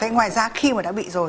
ngoài ra khi mà đã bị rồi